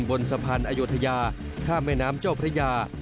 บนสะพานอโยธยาข้ามแม่น้ำเจ้าพระยา